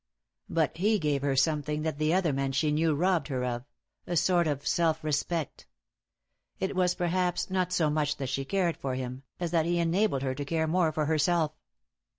But he gave her something that the other men she knew robbed her of, a sort of self respect. It was perhaps not so much that she cared for him, as that he enabled her to care more for herself.